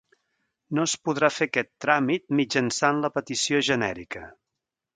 No es podrà fer aquest tràmit mitjançant la Petició genèrica.